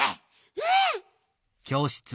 うん！